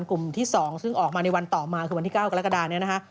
กลุ่มที่๒ซึ่งออกมาในวันต่อมาคือวันที่๙กรกฎาเนี่ยนะคะ